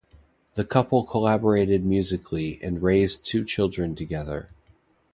The couple collaborated musically, and raised two children together.